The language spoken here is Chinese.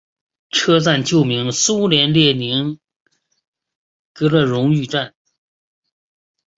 车站旧名苏联列宁格勒荣誉站。